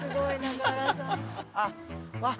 あっ。